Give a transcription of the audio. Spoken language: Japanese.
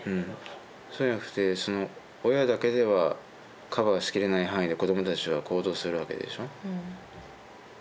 そうじゃなくて親だけではカバーしきれない範囲で子どもたちは行動するわけでしょ。